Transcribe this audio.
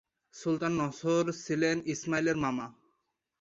সুলতান Nasr ছিলেন ইসমাইলের মামা।